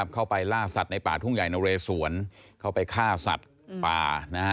เข้าไปล่าสัตว์ในป่าทุ่งใหญ่นเรสวนเข้าไปฆ่าสัตว์ป่า